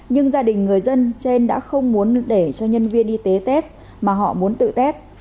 nhưng gia đình người dân trên đã không muốn để cho nhân viên y tế test mà họ muốn tự tết